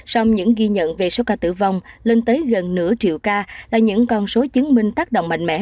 song những ghi nhận về số ca tử vong lên tới gần nửa triệu ca là những con số chứng minh tác động mạnh mẽ